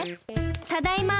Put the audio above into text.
ただいま。